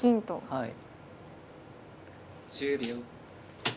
はい。